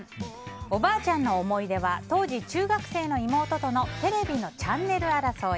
おばあちゃんの思い出は当時、中学生の妹とのテレビのチャンネル争い。